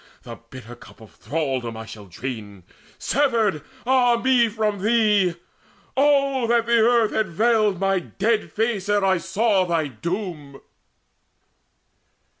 The bitter cup of thraldom shall I drain, Severed, ah me, from thee! Oh that the earth Had veiled my dead face ere I saw thy doom!"